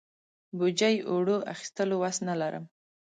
بوجۍ اوړو اخستلو وس نه لرم.